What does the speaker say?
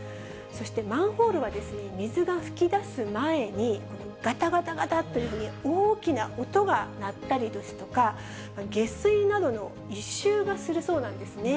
そしてマンホールは、水が噴き出す前に、がたがたがたというふうに大きな音が鳴ったりですとか、下水などの異臭がするそうなんですね。